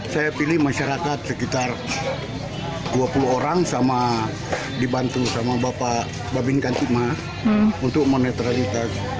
saya pilih masyarakat sekitar dua puluh orang dibantu sama bapak babin kantimah untuk menetralitas